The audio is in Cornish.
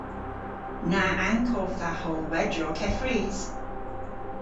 Na ankov dha howlwedrow keffrys!